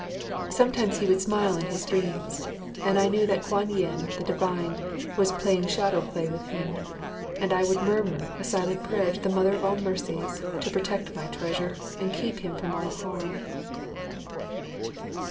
Sometimes he would smile in his dreams, and I knew that Kwan yin the Divine was playing shadow play with him, and I would murmur a silent prayer to the Mother of all Mercies to protect my treasure and keep him from all harm.